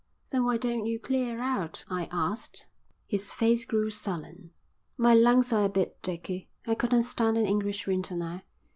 "Then why don't you clear out?" I asked. His face grew sullen. "My lungs are a bit dicky. I couldn't stand an English winter now."